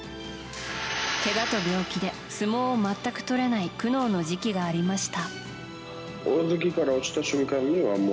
けがと病気で相撲が全く取れない苦悩の時期がありました。